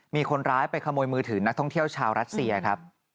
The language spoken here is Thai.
มีคนร้ายไปขโมยมือถือนักท่องเที่ยวชาวรัสเซียครับ